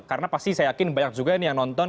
karena pasti saya yakin banyak juga yang nonton